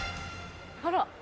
あら。